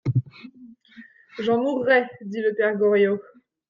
J'en mourrai, dit le père Goriot.